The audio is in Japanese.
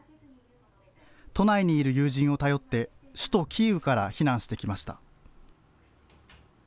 都内にいる友人を頼って、首都キーウから避難してきました。